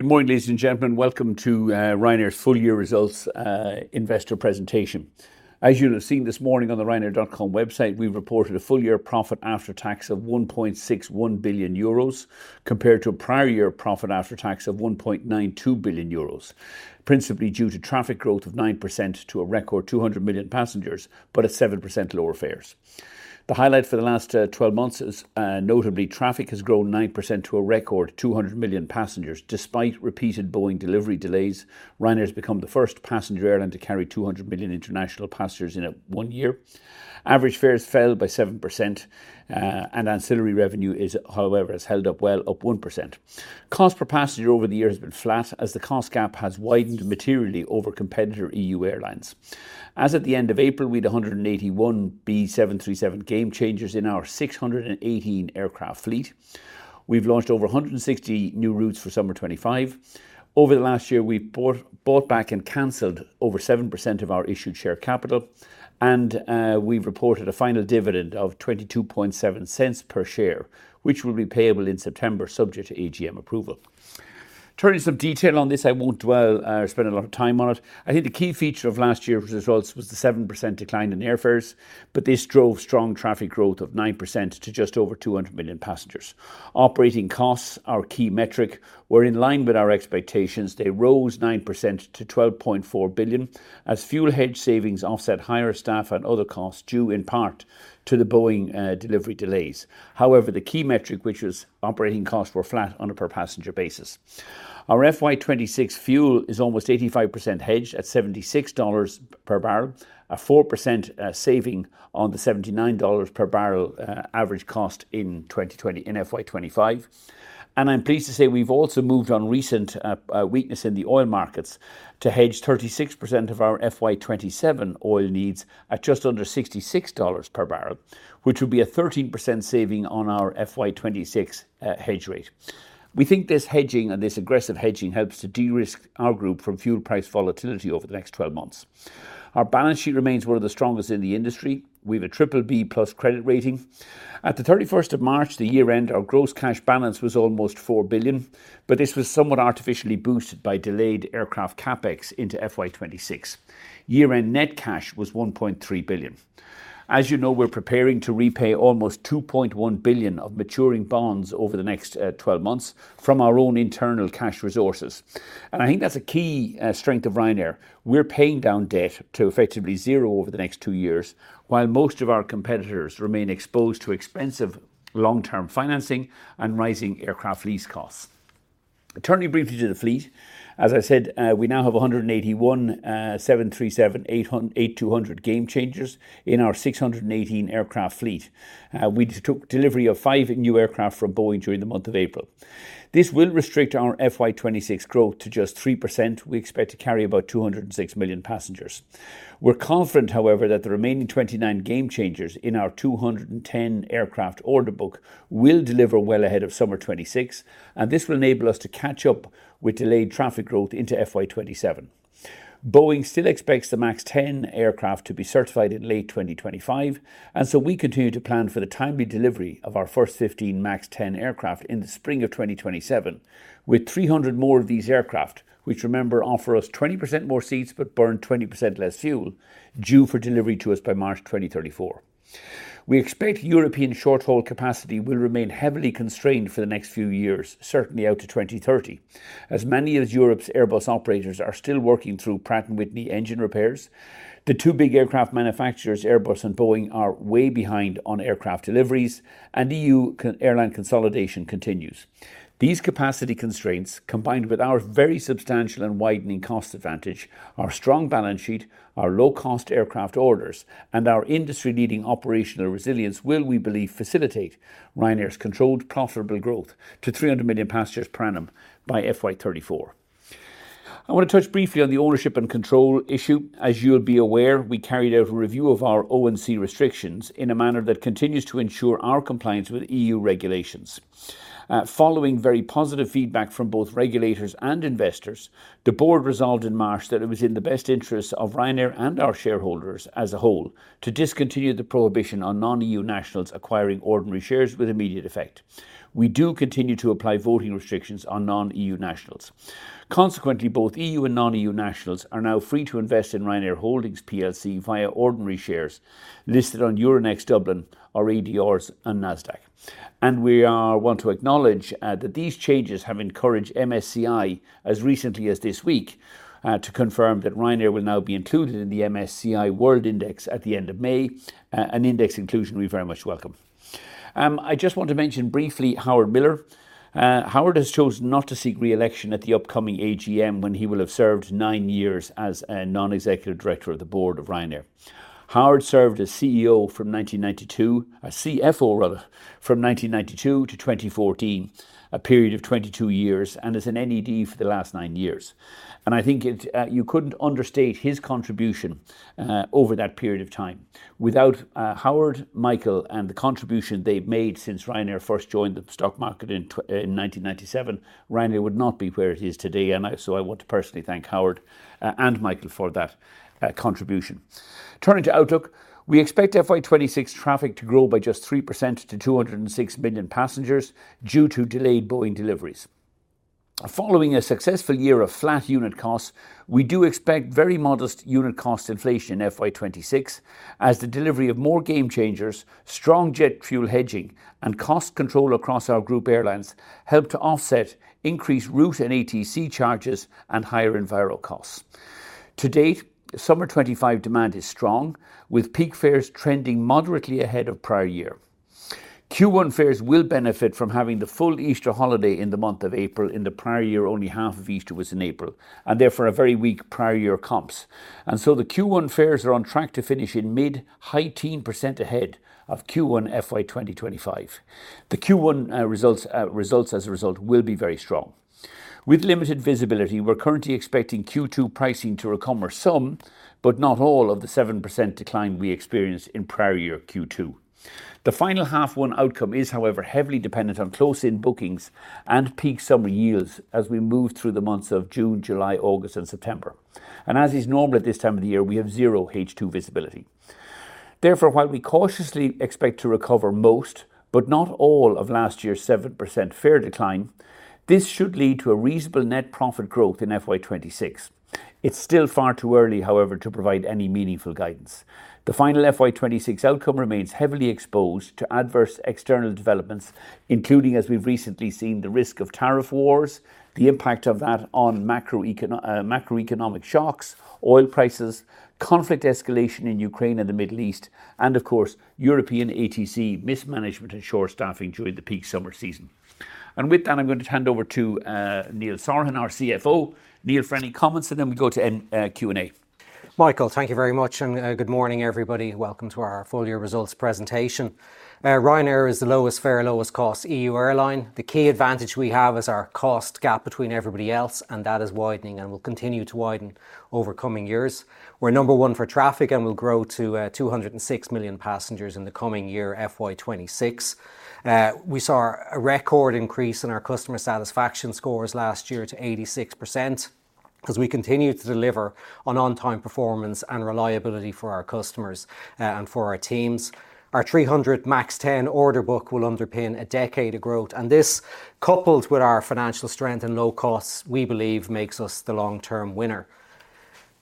Good morning, ladies and gentlemen. Welcome to Ryanair's full year results investor presentation. As you'll have seen this morning on the ryanair.com website, we've reported a full year profit after tax of 1.61 billion euros, compared to a prior year profit after tax of 1.92 billion euros, principally due to traffic growth of 9% to a record 200 million passengers, but a 7% lower fares. The highlight for the last 12 months is notably traffic has grown 9% to a record 200 million passengers. Despite repeated Boeing delivery delays, Ryanair has become the first passenger airline to carry 200 million international passengers in one year. Average fares fell by 7%, and ancillary revenue is, however, has held up well, up 1%. Cost per passenger over the year has been flat, as the cost gap has widened materially over competitor EU airlines. As at the end of April, we had 181 B737 game changers in our 618 aircraft fleet. We've launched over 160 new routes for summer 2025. Over the last year, we've bought back and canceled over 7% of our issued share capital, and we've reported a final dividend of 0.227 per share, which will be payable in September, subject to AGM approval. Turning to some detail on this, I won't dwell or spend a lot of time on it. I think the key feature of last year's results was the 7% decline in airfares, but this drove strong traffic growth of 9% to just over 200 million passengers. Operating costs, our key metric, were in line with our expectations. They rose 9% to 12.4 billion, as fuel hedge savings offset higher staff and other costs due in part to the Boeing delivery delays. However, the key metric, which was operating costs, were flat on a per passenger basis. Our FY26 fuel is almost 85% hedged at $76 per barrel, a 4% saving on the $79 per barrel average cost in 2020 in FY25. I am pleased to say we have also moved on recent weakness in the oil markets to hedge 36% of our FY27 oil needs at just under $66 per barrel, which would be a 13% saving on our FY26 hedge rate. We think this hedging and this aggressive hedging helps to de-risk our group from fuel price volatility over the next 12 months. Our balance sheet remains one of the strongest in the industry. We have a BBB plus credit rating. At the 31st of March, the year-end, our gross cash balance was almost $4 billion, but this was somewhat artificially boosted by delayed aircraft CapEx into FY26. Year-end net cash was 1.3 billion. As you know, we are preparing to repay almost 2.1 billion of maturing bonds over the next 12 months from our own internal cash resources. I think that is a key strength of Ryanair. We are paying down debt to effectively zero over the next two years, while most of our competitors remain exposed to expensive long-term financing and rising aircraft lease costs. Turning briefly to the fleet, as I said, we now have 181 737-8200 game changers in our 618 aircraft fleet. We took delivery of five new aircraft from Boeing during the month of April. This will restrict our FY 2026 growth to just 3%. We expect to carry about 206 million passengers. We're confident, however, that the remaining 29 game changers in our 210 aircraft order book will deliver well ahead of summer 2026, and this will enable us to catch up with delayed traffic growth into FY2027. Boeing still expects the MAX 10 aircraft to be certified in late 2025, and we continue to plan for the timely delivery of our first 15 MAX 10 aircraft in the spring of 2027, with 300 more of these aircraft, which, remember, offer us 20% more seats but burn 20% less fuel, due for delivery to us by March 2034. We expect European short-haul capacity will remain heavily constrained for the next few years, certainly out to 2030, as many of Europe's Airbus operators are still working through Pratt & Whitney engine repairs. The two big aircraft manufacturers, Airbus and Boeing, are way behind on aircraft deliveries, and EU airline consolidation continues. These capacity constraints, combined with our very substantial and widening cost advantage, our strong balance sheet, our low-cost aircraft orders, and our industry-leading operational resilience will, we believe, facilitate Ryanair's controlled profitable growth to 300 million passengers per annum by FY34. I want to touch briefly on the ownership and control issue. As you'll be aware, we carried out a review of our ONC restrictions in a manner that continues to ensure our compliance with EU regulations. Following very positive feedback from both regulators and investors, the board resolved in March that it was in the best interests of Ryanair and our shareholders as a whole to discontinue the prohibition on non-EU nationals acquiring ordinary shares with immediate effect. We do continue to apply voting restrictions on non-EU nationals. Consequently, both EU and non-EU nationals are now free to invest in Ryanair Holdings via ordinary shares listed on Euronext Dublin, our ADRs, and NASDAQ. We want to acknowledge that these changes have encouraged MSCI, as recently as this week, to confirm that Ryanair will now be included in the MSCI World Index at the end of May, an index inclusion we very much welcome. I just want to mention briefly Howard Miller. Howard has chosen not to seek reelection at the upcoming AGM when he will have served nine years as a non-executive director of the board of Ryanair. Howard served as CEO from 1992, CFO from 1992 to 2014, a period of 22 years, and as an NED for the last nine years. I think you could not understate his contribution over that period of time. Without Howard, Michael, and the contribution they have made since Ryanair first joined the stock market in 1997, Ryanair would not be where it is today. I want to personally thank Howard and Michael for that contribution. Turning to Outlook, we expect FY26 traffic to grow by just 3% to 206 million passengers due to delayed Boeing deliveries. Following a successful year of flat unit costs, we do expect very modest unit cost inflation in FY26, as the delivery of more game changers, strong jet fuel hedging, and cost control across our group airlines help to offset increased route and ATC charges and higher enviro costs. To date, summer 2025 demand is strong, with peak fares trending moderately ahead of prior year. Q1 fares will benefit from having the full Easter holiday in the month of April. In the prior year, only half of Easter was in April, and therefore a very weak prior year comps. The Q1 fares are on track to finish in mid-19% ahead of Q1 FY2025. The Q1 results, as a result, will be very strong. With limited visibility, we're currently expecting Q2 pricing to recover some, but not all, of the 7% decline we experienced in prior year Q2. The final half-one outcome is, however, heavily dependent on close-in bookings and peak summer yields as we move through the months of June, July, August, and September. As is normal at this time of the year, we have zero H2 visibility. Therefore, while we cautiously expect to recover most, but not all, of last year's 7% fare decline, this should lead to a reasonable net profit growth in FY2026. It's still far too early, however, to provide any meaningful guidance. The final FY26 outcome remains heavily exposed to adverse external developments, including, as we have recently seen, the risk of tariff wars, the impact of that on macroeconomic shocks, oil prices, conflict escalation in Ukraine and the Middle East, and, of course, European ATC mismanagement and short-staffing during the peak summer season. With that, I am going to hand over to Neil Sorahan, our CFO, Neil for any comments, and then we go to Q&A. Michael, thank you very much, and good morning, everybody. Welcome to our full year results presentation. Ryanair is the lowest fare, lowest cost EU airline. The key advantage we have is our cost gap between everybody else, and that is widening and will continue to widen over coming years. We're number one for traffic and will grow to 206 million passengers in the coming year FY26. We saw a record increase in our customer satisfaction scores last year to 86% as we continue to deliver on on-time performance and reliability for our customers and for our teams. Our 300 MAX 10 order book will underpin a decade of growth, and this, coupled with our financial strength and low costs, we believe makes us the long-term winner.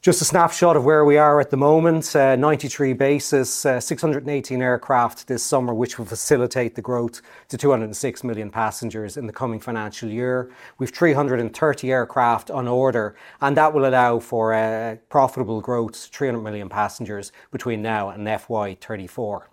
Just a snapshot of where we are at the moment: 93 basis, 618 aircraft this summer, which will facilitate the growth to 206 million passengers in the coming financial year. We have 330 aircraft on order, and that will allow for profitable growth to 300 million passengers between now and FY 2034.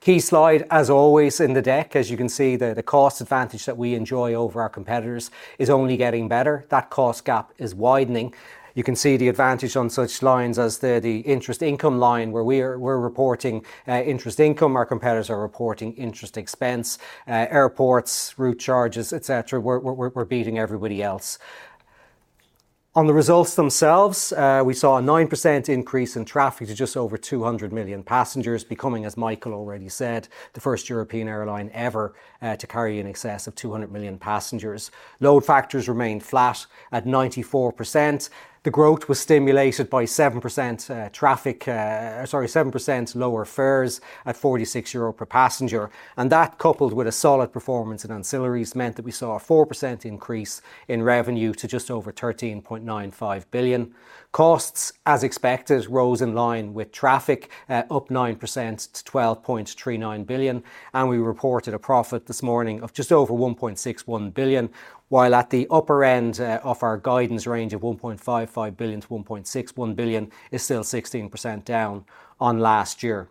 Key slide, as always, in the deck. As you can see, the cost advantage that we enjoy over our competitors is only getting better. That cost gap is widening. You can see the advantage on such lines as the interest income line, where we are reporting interest income. Our competitors are reporting interest expense, airports, route charges, et cetera. We are beating everybody else. On the results themselves, we saw a 9% increase in traffic to just over 200 million passengers, becoming, as Michael already said, the first European airline ever to carry in excess of 200 million passengers. Load factors remained flat at 94%. The growth was stimulated by 7% traffic, sorry, 7% lower fares at 46 euro per passenger. That, coupled with a solid performance in ancillaries, meant that we saw a 4% increase in revenue to just over 13.95 billion. Costs, as expected, rose in line with traffic, up 9% to 12.39 billion. We reported a profit this morning of just over 1.61 billion, while at the upper end of our guidance range of 1.55 billion-1.61 billion, it is still 16% down on last year.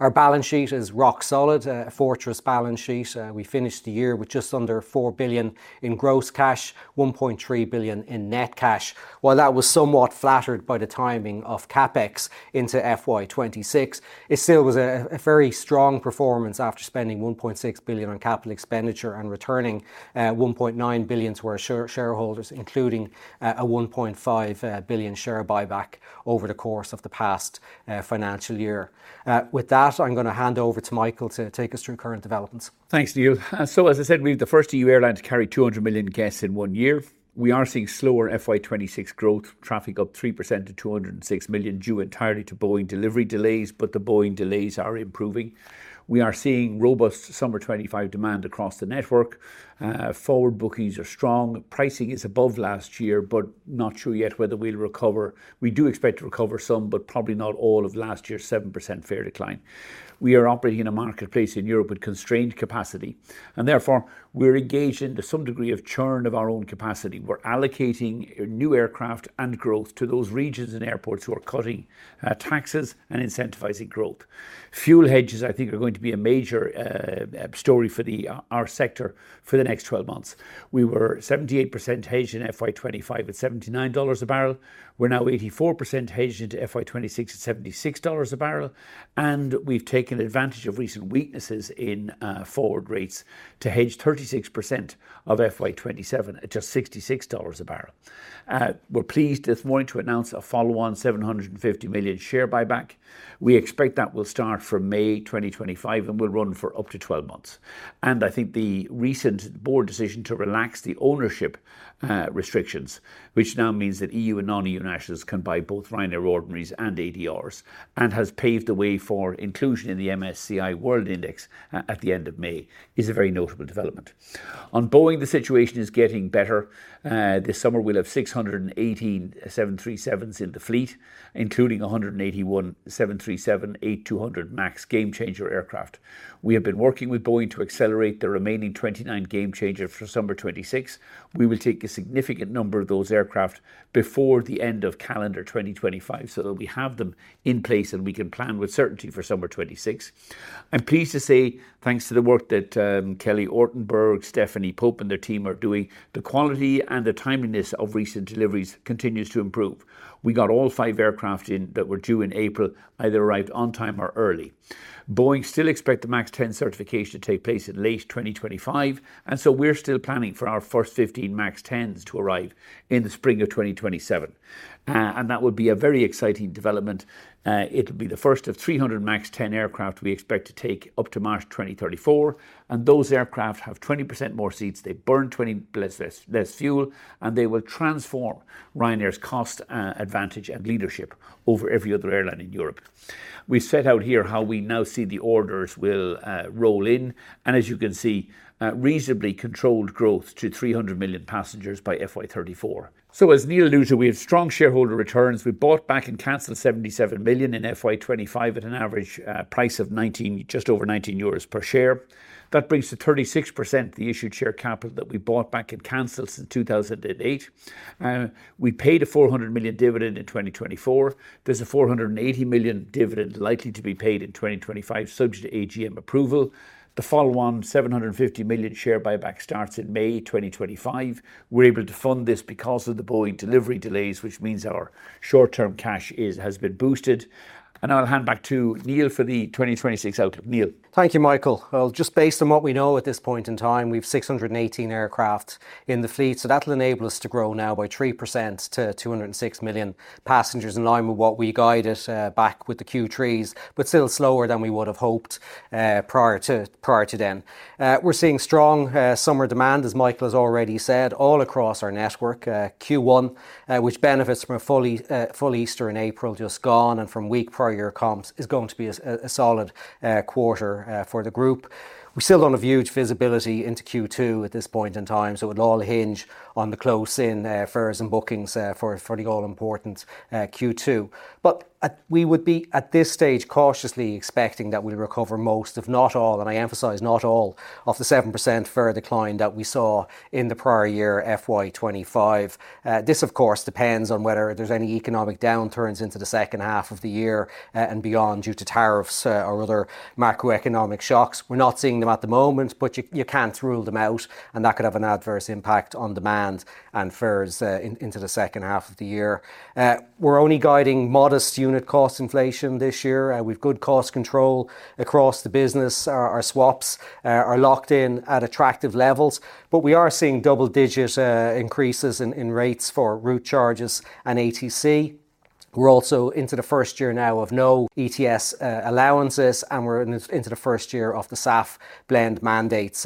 Our balance sheet is rock solid, a fortress balance sheet. We finished the year with just under 4 billion in gross cash, 1.3 billion in net cash. While that was somewhat flattered by the timing of CapEx into FY2026, it still was a very strong performance after spending 1.6 billion on capital expenditure and returning 1.9 billion to our shareholders, including a 1.5 billion share buyback over the course of the past financial year. With that, I'm going to hand over to Michael to take us through current developments. Thanks to you. As I said, we are the first EU airline to carry 200 million guests in one year. We are seeing slower FY2026 growth, traffic up 3% to 206 million, due entirely to Boeing delivery delays, but the Boeing delays are improving. We are seeing robust summer 2025 demand across the network. Forward bookings are strong. Pricing is above last year, but not sure yet whether we will recover. We do expect to recover some, but probably not all of last year's 7% fare decline. We are operating in a marketplace in Europe with constrained capacity, and therefore we are engaged in some degree of churn of our own capacity. We are allocating new aircraft and growth to those regions and airports who are cutting taxes and incentivizing growth. Fuel hedges, I think, are going to be a major story for our sector for the next 12 months. We were 78% hedged in FY25 at $79 a barrel. We are now 84% hedged into FY26 at $76 a barrel. We have taken advantage of recent weaknesses in forward rates to hedge 36% of FY27 at just $66 a barrel. We are pleased this morning to announce a follow-on 750 million share buyback. We expect that will start from May 2025 and will run for up to 12 months. I think the recent board decision to relax the ownership restrictions, which now means that EU and non-EU nationals can buy both Ryanair Ordinaries and ADRs, and has paved the way for inclusion in the MSCI World Index at the end of May, is a very notable development. On Boeing, the situation is getting better. This summer, we will have 618 737s in the fleet, including 181 737-8200 max game changer aircraft. We have been working with Boeing to accelerate the remaining 29 game changers for summer 2026. We will take a significant number of those aircraft before the end of calendar 2025, so that we have them in place and we can plan with certainty for summer 2026. I'm pleased to say, thanks to the work that Kelly Ortenberg, Stephanie Pope, and their team are doing, the quality and the timeliness of recent deliveries continues to improve. We got all five aircraft in that were due in April, either arrived on time or early. Boeing still expects the MAX 10 certification to take place in late 2025, and we are still planning for our first 15 MAX 10s to arrive in the spring of 2027. That would be a very exciting development. It will be the first of 300 MAX 10 aircraft we expect to take up to March 2034. Those aircraft have 20% more seats. They burn 20% less fuel, and they will transform Ryanair's cost advantage and leadership over every other airline in Europe. We set out here how we now see the orders will roll in, and as you can see, reasonably controlled growth to 300 million passengers by FY2034. As Neil alluded to, we have strong shareholder returns. We bought back and canceled 77 million in FY2025 at an average price of just over 19 euros per share. That brings to 36% the issued share capital that we bought back and canceled since 2008. We paid a 400 million dividend in 2024. There is a 480 million dividend likely to be paid in 2025, subject to AGM approval. The follow-on 750 million share buyback starts in May 2025. We're able to fund this because of the Boeing delivery delays, which means our short-term cash has been boosted. I'll hand back to Neil for the 2026 outlook. Neil. Thank you, Michael. Just based on what we know at this point in time, we have 618 aircraft in the fleet, so that will enable us to grow now by 3% to 206 million passengers in line with what we guided back with the Q3s, but still slower than we would have hoped prior to then. We are seeing strong summer demand, as Michael has already said, all across our network. Q1, which benefits from a full Easter in April just gone and from weak prior year comps, is going to be a solid quarter for the group. We still do not have huge visibility into Q2 at this point in time, so it will all hinge on the close-in fares and bookings for the all-important Q2. We would be, at this stage, cautiously expecting that we'll recover most, if not all, and I emphasize not all, of the 7% fare decline that we saw in the prior year FY2025. This, of course, depends on whether there's any economic downturns into the second half of the year and beyond due to tariffs or other macroeconomic shocks. We're not seeing them at the moment, but you can't rule them out, and that could have an adverse impact on demand and fares into the second half of the year. We're only guiding modest unit cost inflation this year. We've good cost control across the business. Our swaps are locked in at attractive levels, but we are seeing double-digit increases in rates for route charges and ATC. We're also into the first year now of no ETS allowances, and we're into the first year of the SAF blend mandates.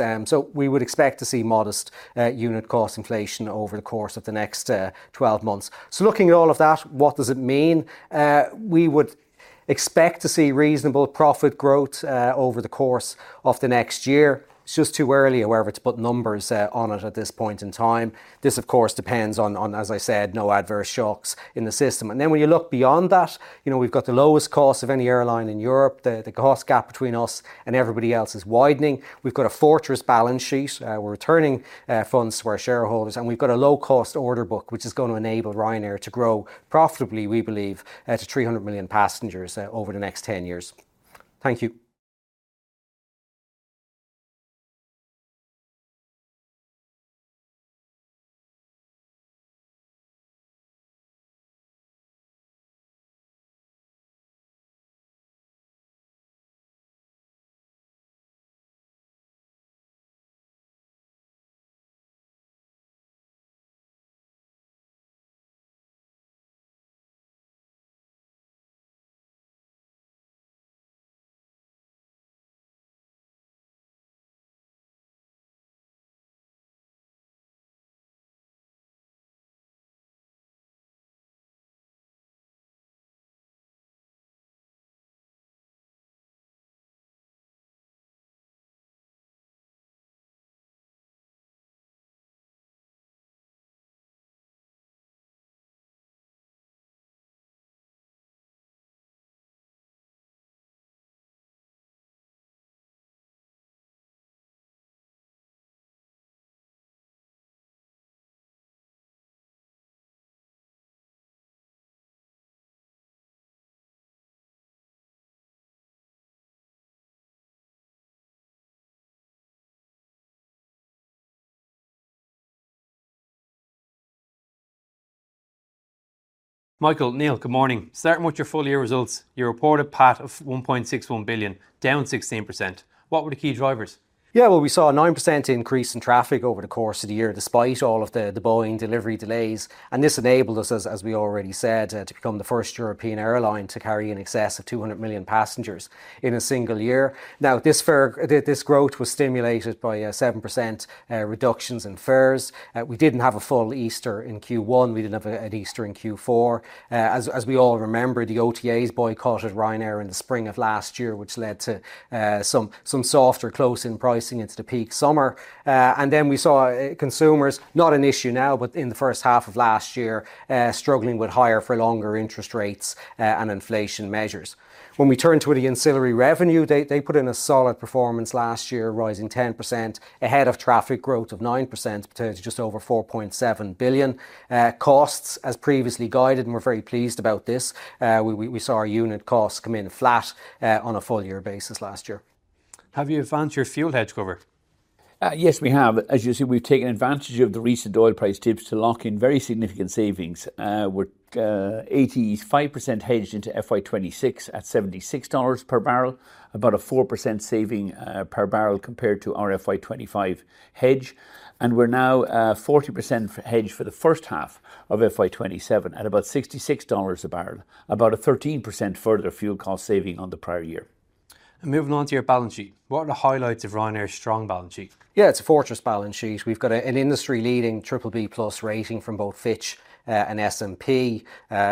We would expect to see modest unit cost inflation over the course of the next 12 months. Looking at all of that, what does it mean? We would expect to see reasonable profit growth over the course of the next year. It's just too early, however, to put numbers on it at this point in time. This, of course, depends on, as I said, no adverse shocks in the system. When you look beyond that, you know we've got the lowest cost of any airline in Europe. The cost gap between us and everybody else is widening. We've got a fortress balance sheet. We're returning funds to our shareholders, and we've got a low-cost order book, which is going to enable Ryanair to grow profitably, we believe, to 300 million passengers over the next 10 years. Thank you. Michael, Neil, good morning. Starting with your full year results, you reported a PAT of 1.61 billion, down 16%. What were the key drivers? Yeah, we saw a 9% increase in traffic over the course of the year, despite all of the Boeing delivery delays. This enabled us, as we already said, to become the first European airline to carry in excess of 200 million passengers in a single year. This growth was stimulated by 7% reductions in fares. We did not have a full Easter in Q1. We did not have an Easter in Q4. As we all remember, the OTAs boycotted Ryanair in the spring of last year, which led to some softer close-in pricing into the peak summer. We saw consumers, not an issue now, but in the first half of last year, struggling with higher-for-longer interest rates and inflation measures. When we turn to the ancillary revenue, they put in a solid performance last year, rising 10% ahead of traffic growth of 9%, potentially just over 4.7 billion. Costs, as previously guided, and we're very pleased about this. We saw our unit costs come in flat on a full-year basis last year. Have you advanced your fuel hedge cover? Yes, we have. As you see, we've taken advantage of the recent oil price dips to lock in very significant savings. We're 85% hedged into FY2026 at $76 per barrel, about a 4% saving per barrel compared to our FY2025 hedge. We're now 40% hedged for the first half of FY2027 at about $66 a barrel, about a 13% further fuel cost saving on the prior year. Moving on to your balance sheet, what are the highlights of Ryanair's strong balance sheet? Yeah, it's a fortress balance sheet. We've got an industry-leading BBB plus rating from both Fitch and S&P.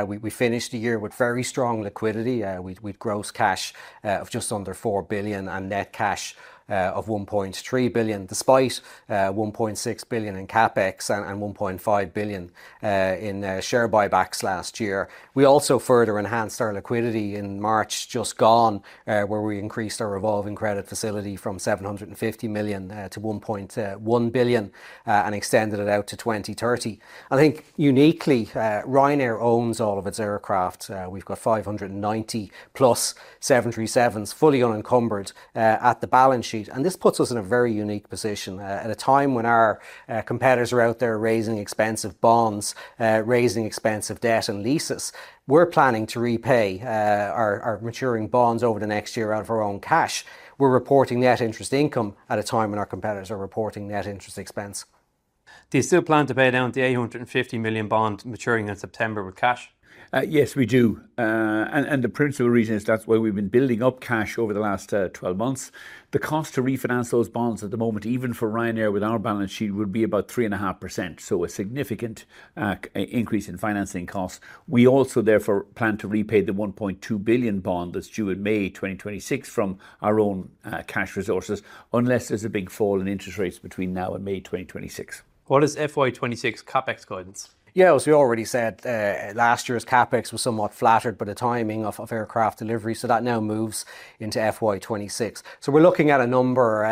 We finished the year with very strong liquidity. We had gross cash of just under 4 billion and net cash of 1.3 billion, despite 1.6 billion in CapEx and 1.5 billion in share buybacks last year. We also further enhanced our liquidity in March just gone, where we increased our revolving credit facility from 750 million to 1.1 billion and extended it out to 2030. I think uniquely, Ryanair owns all of its aircraft. We've got 590 plus 737s, fully unencumbered at the balance sheet. This puts us in a very unique position. At a time when our competitors are out there raising expensive bonds, raising expensive debt and leases, we're planning to repay our maturing bonds over the next year out of our own cash. We're reporting net interest income at a time when our competitors are reporting net interest expense. Do you still plan to pay down the 850 million bond maturing in September with cash? Yes, we do. The principal reason is that's why we've been building up cash over the last 12 months. The cost to refinance those bonds at the moment, even for Ryanair with our balance sheet, would be about 3.5%, so a significant increase in financing costs. We also, therefore, plan to repay the 1.2 billion bond that's due in May 2026 from our own cash resources, unless there's a big fall in interest rates between now and May 2026. What is FY26 CapEx guidance? Yeah, as we already said, last year's CapEx was somewhat flattered by the timing of aircraft deliveries, so that now moves into FY26. We are looking at a number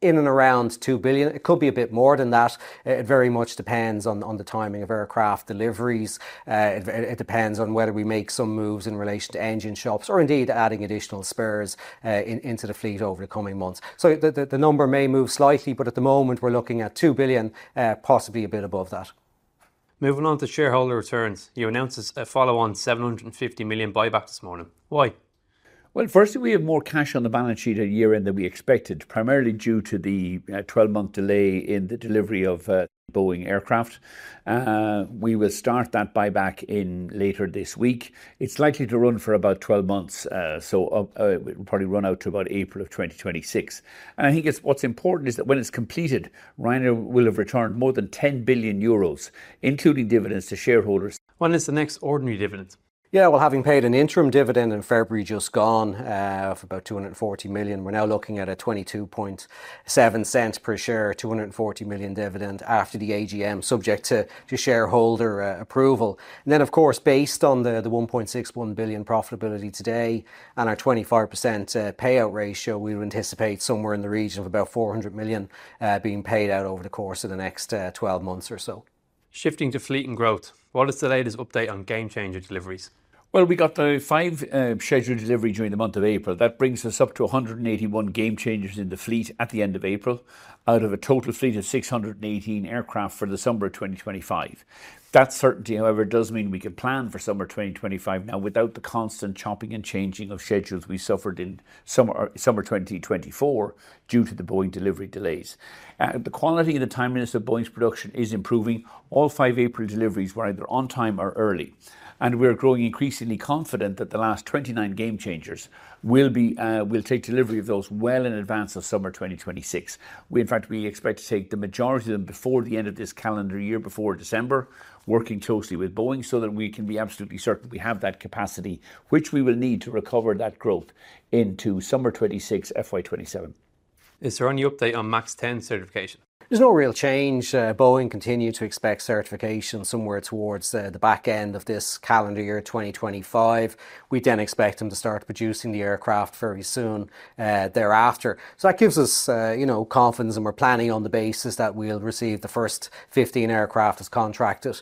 in and around 2 billion. It could be a bit more than that. It very much depends on the timing of aircraft deliveries. It depends on whether we make some moves in relation to engine shops or indeed adding additional spares into the fleet over the coming months. The number may move slightly, but at the moment, we are looking at 2 billion, possibly a bit above that. Moving on to shareholder returns. You announced a follow-on 750 million buyback this morning. Why? Firstly, we have more cash on the balance sheet at year-end than we expected, primarily due to the 12-month delay in the delivery of Boeing aircraft. We will start that buyback later this week. It is likely to run for about 12 months, so it will probably run out to about April of 2026. I think what is important is that when it is completed, Ryanair will have returned more than 10 billion euros, including dividends to shareholders. When is the next ordinary dividend? Yeah, having paid an interim dividend in February just gone of about 240 million, we're now looking at a 22.7% per share, 240 million dividend after the AGM, subject to shareholder approval. Of course, based on the 1.61 billion profitability today and our 25% payout ratio, we would anticipate somewhere in the region of about $400 million being paid out over the course of the next 12 months or so. Shifting to fleet and growth, what is the latest update on game changer deliveries? We got five scheduled deliveries during the month of April. That brings us up to 181 game changers in the fleet at the end of April, out of a total fleet of 618 aircraft for the summer of 2025. That certainty, however, does mean we can plan for summer 2025 now without the constant chopping and changing of schedules we suffered in summer 2024 due to the Boeing delivery delays. The quality and the timeliness of Boeing's production is improving. All five April deliveries were either on time or early. We are growing increasingly confident that the last 29 game changers will take delivery of those well in advance of summer 2026. In fact, we expect to take the majority of them before the end of this calendar year, before December, working closely with Boeing so that we can be absolutely certain we have that capacity, which we will need to recover that growth into summer 2026, FY2027. Is there any update on MAX 10 certification? There's no real change. Boeing continues to expect certification somewhere towards the back end of this calendar year, 2025. We then expect them to start producing the aircraft very soon thereafter. That gives us confidence, and we're planning on the basis that we'll receive the first 15 aircraft as contracted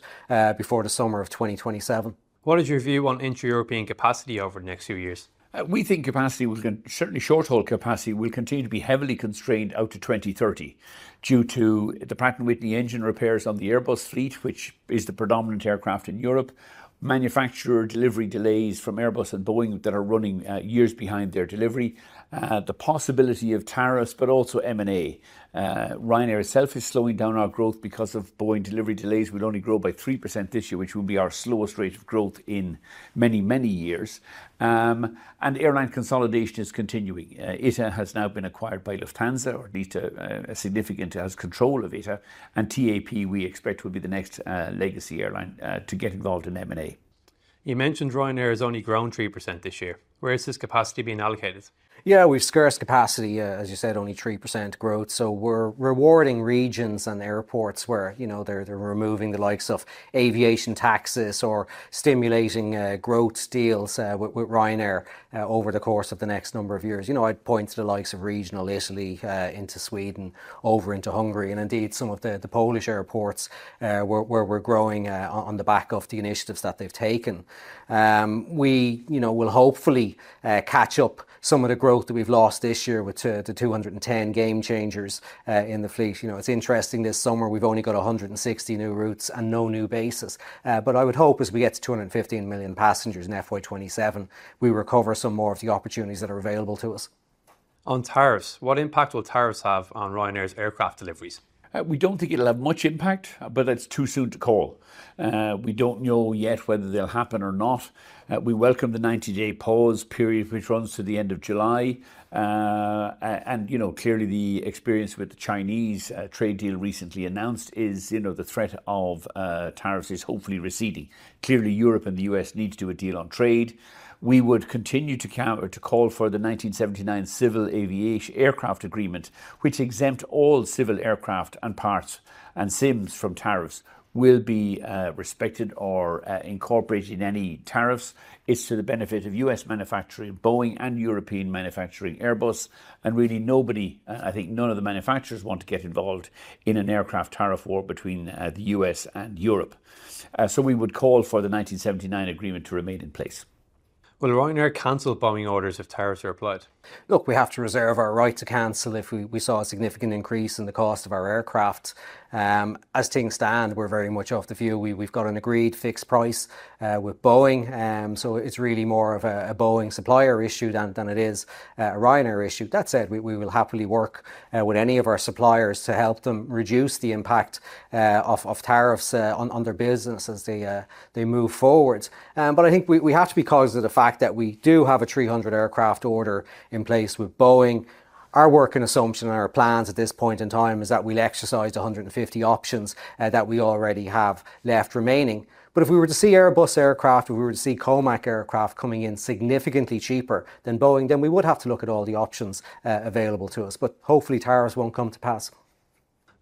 before the summer of 2027. What is your view on inter-European capacity over the next few years? We think capacity will certainly short-hold capacity will continue to be heavily constrained out to 2030 due to the Pratt & Whitney engine repairs on the Airbus fleet, which is the predominant aircraft in Europe, manufacturer delivery delays from Airbus and Boeing that are running years behind their delivery, the possibility of tariffs, but also M&A. Ryanair itself is slowing down our growth because of Boeing delivery delays. We'll only grow by 3% this year, which will be our slowest rate of growth in many, many years. Airline consolidation is continuing. ITA has now been acquired by Lufthansa, or at least a significant as control of ITA. TAP, we expect, will be the next legacy airline to get involved in M&A. You mentioned Ryanair has only grown 3% this year. Where is this capacity being allocated? Yeah, we've scarce capacity, as you said, only 3% growth. We are rewarding regions and airports where they are removing the likes of aviation taxes or stimulating growth deals with Ryanair over the course of the next number of years. I would point to the likes of regional Italy into Sweden over into Hungary, and indeed some of the Polish airports where we are growing on the back of the initiatives that they have taken. We will hopefully catch up some of the growth that we have lost this year with the 210 game changers in the fleet. It is interesting this summer we have only got 160 new routes and no new bases. I would hope as we get to 215 million passengers in FY2027, we recover some more of the opportunities that are available to us. On tariffs, what impact will tariffs have on Ryanair's aircraft deliveries? We don't think it'll have much impact, but it's too soon to call. We don't know yet whether they'll happen or not. We welcome the 90-day pause period, which runs to the end of July. Clearly, the experience with the Chinese trade deal recently announced is the threat of tariffs is hopefully receding. Clearly, Europe and the U.S. need to do a deal on trade. We would continue to call for the 1979 civil aircraft agreement, which exempts all civil aircraft and parts and SIMs from tariffs, will be respected or incorporated in any tariffs. It's to the benefit of U.S. manufacturing, Boeing, and European manufacturing, Airbus. Really, nobody, I think none of the manufacturers want to get involved in an aircraft tariff war between the U.S. and Europe. We would call for the 1979 agreement to remain in place. Will Ryanair cancel Boeing orders if tariffs are applied? Look, we have to reserve our right to cancel if we saw a significant increase in the cost of our aircraft. As things stand, we are very much off the field. We have got an agreed fixed price with Boeing. It is really more of a Boeing supplier issue than it is a Ryanair issue. That said, we will happily work with any of our suppliers to help them reduce the impact of tariffs on their business as they move forward. I think we have to be cognizant of the fact that we do have a 300 aircraft order in place with Boeing. Our working assumption and our plans at this point in time is that we will exercise the 150 options that we already have left remaining. If we were to see Airbus aircraft, if we were to see COMAC aircraft coming in significantly cheaper than Boeing, then we would have to look at all the options available to us. Hopefully, tariffs will not come to pass.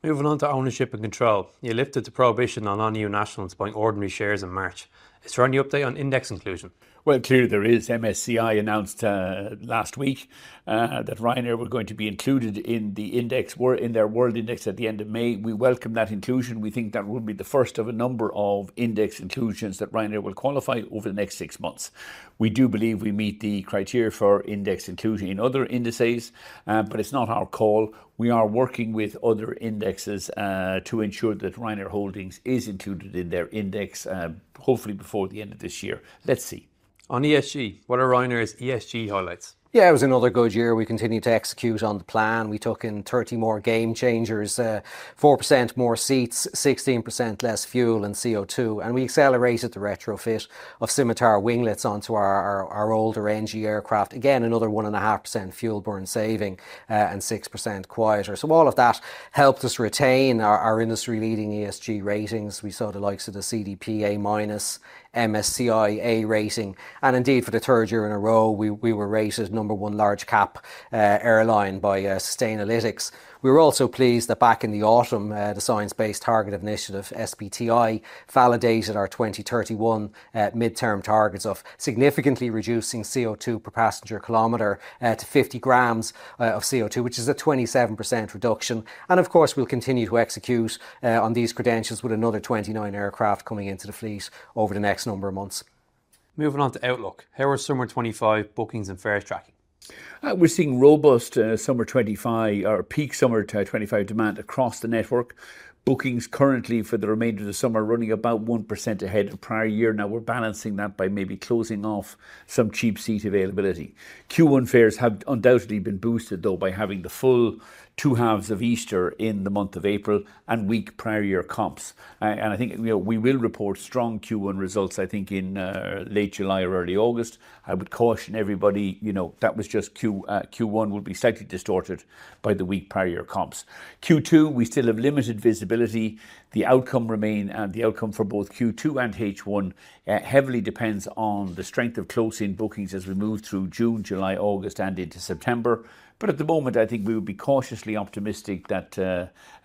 Moving on to ownership and control. You lifted the prohibition on EU nationals buying ordinary shares in March. Is there any update on index inclusion? Clearly, there is. MSCI announced last week that Ryanair were going to be included in the index, in their world index at the end of May. We welcome that inclusion. We think that will be the first of a number of index inclusions that Ryanair will qualify over the next six months. We do believe we meet the criteria for index inclusion in other indices, but it is not our call. We are working with other indexes to ensure that Ryanair Holdings is included in their index, hopefully before the end of this year. Let's see. On ESG, what are Ryanair's ESG highlights? Yeah, it was another good year. We continued to execute on the plan. We took in 30 more game changers, 4% more seats, 16% less fuel and CO2. We accelerated the retrofit of Scimitar winglets onto our older NG aircraft. Again, another 1.5% fuel burn saving and 6% quieter. All of that helped us retain our industry-leading ESG ratings. We saw the likes of the CDP A minus, MSCI A rating. For the third year in a row, we were rated number one large-cap airline by Sustainalytics. We were also pleased that back in the autumn, the science-based target initiative SBTi validated our 2031 midterm targets of significantly reducing CO2 per passenger kilometer to 50 grams of CO2, which is a 27% reduction. We will continue to execute on these credentials with another 29 aircraft coming into the fleet over the next number of months. Moving on to outlook. How are summer 2025 bookings and fares tracking? We're seeing robust summer 2025 or peak summer 2025 demand across the network. Bookings currently for the remainder of the summer running about 1% ahead of prior year. Now we're balancing that by maybe closing off some cheap seat availability. Q1 fares have undoubtedly been boosted, though, by having the full two halves of Easter in the month of April and weak prior year comps. I think we will report strong Q1 results, I think, in late July or early August. I would caution everybody that just Q1 will be slightly distorted by the weak prior year comps. Q2, we still have limited visibility. The outcome for both Q2 and H1 heavily depends on the strength of close-in bookings as we move through June, July, August, and into September. At the moment, I think we would be cautiously optimistic that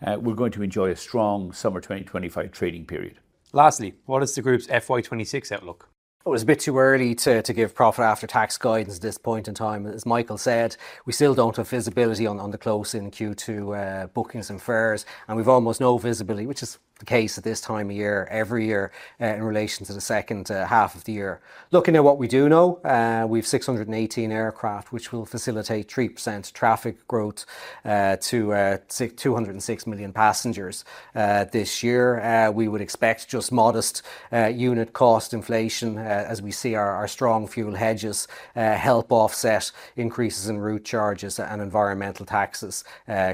we're going to enjoy a strong summer 2025 trading period. Lastly, what is the group's FY26 outlook? It is a bit too early to give profit after tax guidance at this point in time. As Michael said, we still do not have visibility on the close-in Q2 bookings and fares. We have almost no visibility, which is the case at this time of year every year in relation to the second half of the year. Looking at what we do know, we have 618 aircraft, which will facilitate 3% traffic growth to 206 million passengers this year. We would expect just modest unit cost inflation as we see our strong fuel hedges help offset increases in route charges and environmental taxes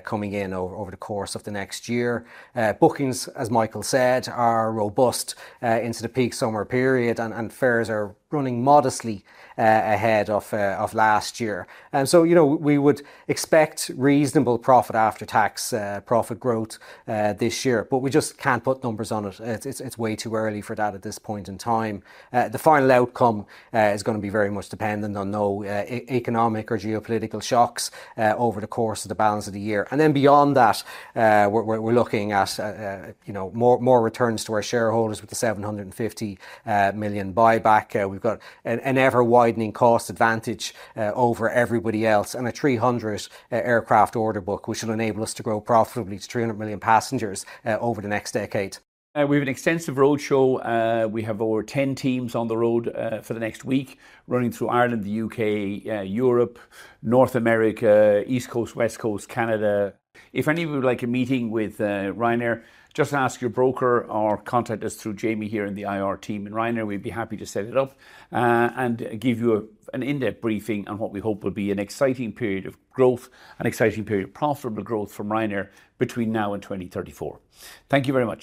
coming in over the course of the next year. Bookings, as Michael said, are robust into the peak summer period, and fares are running modestly ahead of last year. We would expect reasonable profit after tax profit growth this year, but we just can't put numbers on it. It's way too early for that at this point in time. The final outcome is going to be very much dependent on no economic or geopolitical shocks over the course of the balance of the year. Beyond that, we're looking at more returns to our shareholders with the 750 million buyback. We've got an ever-widening cost advantage over everybody else and a 300 aircraft order book, which will enable us to grow profitably to 300 million passengers over the next decade. We have an extensive roadshow. We have over 10 teams on the road for the next week running through Ireland, the U.K., Europe, North America, East Coast, West Coast, Canada. If any of you would like a meeting with Ryanair, just ask your broker or contact us through Jamie here in the IR team in Ryanair. We'd be happy to set it up and give you an in-depth briefing on what we hope will be an exciting period of growth, an exciting period of profitable growth from Ryanair between now and 2034. Thank you very much.